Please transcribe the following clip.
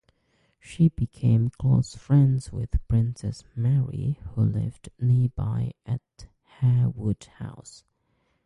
She became close friends with Princess Mary who lived nearby at Harewood House.